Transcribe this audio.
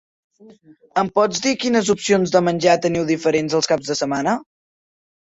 Em pots dir quines opcions de menjar teniu diferents els cap de setmana?